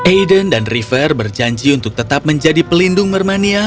aiden dan river berjanji untuk tetap menjadi pelindung mermania